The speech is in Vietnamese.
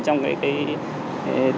trong các mạng máy tính và điện tử